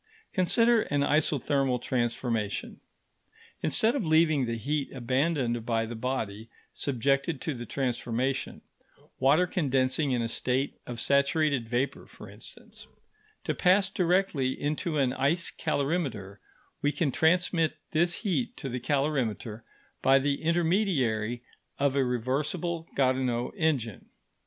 Consider an isothermal transformation. Instead of leaving the heat abandoned by the body subjected to the transformation water condensing in a state of saturated vapour, for instance to pass directly into an ice calorimeter, we can transmit this heat to the calorimeter by the intermediary of a reversible Carnot engine.